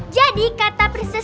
jadi kata princess lia